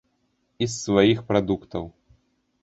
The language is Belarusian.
І з сваіх прадуктаў.